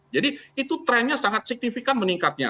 jadi itu trennya sangat signifikan meningkatnya